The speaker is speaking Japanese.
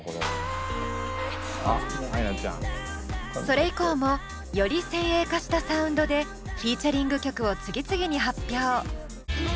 それ以降もより先鋭化したサウンドでフィーチャリング曲を次々に発表。